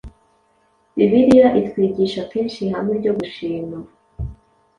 Bibiliya itwigisha kenshi ihame ryo gushima.